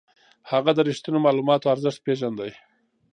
هغه د رښتينو معلوماتو ارزښت پېژانده.